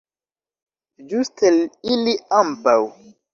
Ĝuste ili ambaŭ!